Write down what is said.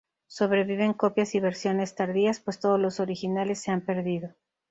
Sobreviven copias y versiones tardías pues todos los originales se han perdido.